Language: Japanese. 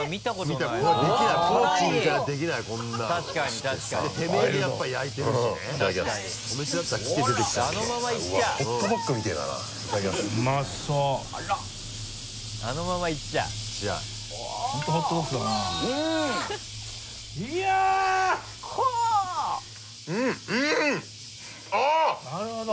なるほど。